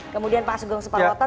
kemudian pak sugeng sepalawata